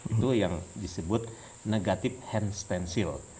itu yang disebut negative hand stencil